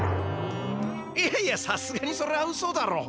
いやいやさすがにそれはウソだろ。